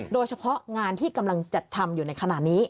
โดยเฉพาะงานที่กำลังจัดทำอยู่ในขณะนี้